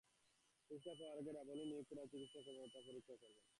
পুরস্কার পাওয়ার আগে রাবেলানির নিয়োগ করা চিকিত্সা কর্মকর্তা তাঁদের কৌমার্য পরীক্ষা করবেন।